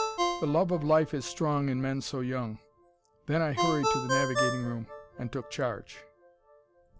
The love of life is strong in men so young. Then I hurried to the navigating room and took charge.